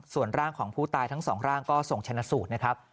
ส่วนร่างของผู้ตายทั้งสองร่างก็ส่งชนะสูตรนะครับ